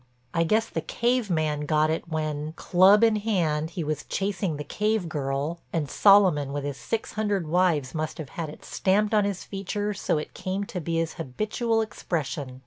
I guess the cave man got it when, club in hand, he was chasing the cave girl and Solomon with his six hundred wives must have had it stamped on his features so it came to be his habitual expression.